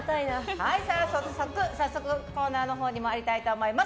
早速、コーナーのほうに参りたいと思います。